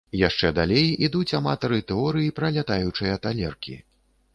Яшчэ далей ідуць аматары тэорый пра лятаючыя талеркі.